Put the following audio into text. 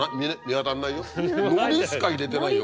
海苔しか入れてないよ